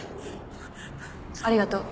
ありがとう。